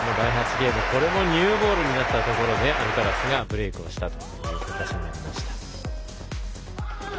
第８ゲーム、これもニューボールになったところでアルカラスがブレークしたという形になりました。